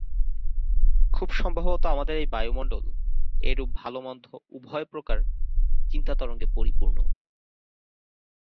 খুব সম্ভব আমাদের এই বায়ুমণ্ডল এইরূপ ভাল-মন্দ উভয় প্রকার চিন্তাতরঙ্গে পরিপূর্ণ।